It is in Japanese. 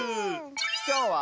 きょうは。